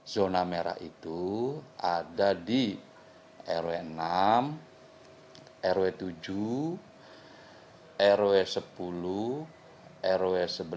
zona merah itu ada di rw enam rw tujuh rw sepuluh rw sebelas